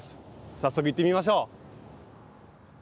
早速行ってみましょう！